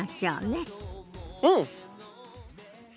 うん！